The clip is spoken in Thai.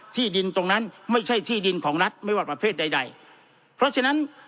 ที่ดินตรงนั้นไม่ใช่ที่ดินของรัฐไม่ว่าประเภทใดใดเพราะฉะนั้น